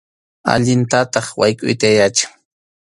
Allintataq waykʼuyta yachan.